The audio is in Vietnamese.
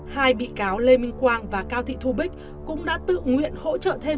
hai bị cáo lê minh quang và cao thị thu bích cũng đã tự nguyện hỗ trợ thêm